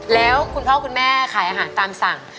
แล้วคุณพ่อคุณแม่ขายอาหารตามสั่ง